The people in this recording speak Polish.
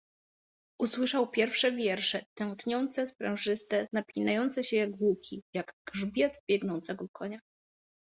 Usłyszał pierwsze wiersze, tętniące, sprężyste, napinające się jak łuki, jak grzbiet biegnącego konia.